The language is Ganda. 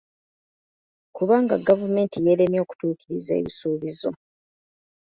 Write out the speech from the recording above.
Kubanga gavumenti yeeremye okutuukiriza ekisuubizo.